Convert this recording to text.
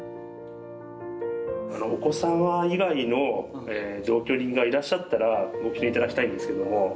お子様以外の同居人がいらっしゃったらご記入頂きたいんですけども。